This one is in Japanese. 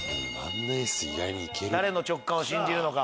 誰の直感を信じるのか？